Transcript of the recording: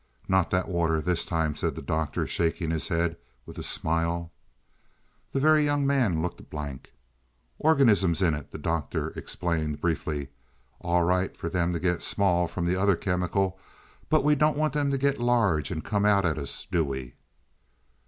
"Not that water this time," said the Doctor, shaking his head with a smile. The Very Young Man looked blank. "Organisms in it," the Doctor explained briefly. "All right for them to get small from the other chemical, but we don't want them to get large and come out at us, do we?"